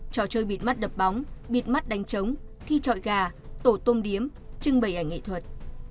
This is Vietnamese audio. trò chơi bịt mắt đập bóng bịt mắt đánh trống thi trọi gà tổ tôm điếm trưng bày ảnh nghệ thuật